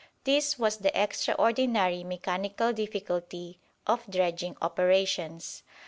This was the extraordinary mechanical difficulty of dredging operations.